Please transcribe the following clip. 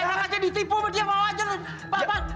jangan aja ditipu be dia mau hajarin